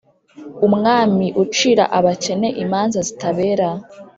umwami ucira abakene imanza zitabera,